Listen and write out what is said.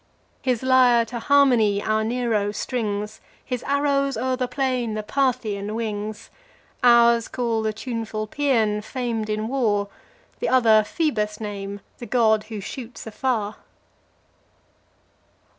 His lyre to harmony our Nero strings; His arrows o'er the plain the Parthian wings: Ours call the tuneful Paean, famed in war, The other Phoebus name, the god who shoots afar.